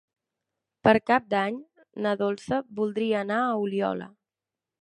Per Cap d'Any na Dolça voldria anar a Oliola.